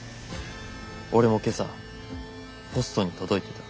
俺も今朝ポストに届いてた。